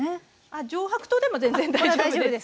あっ上白糖でも全然大丈夫です。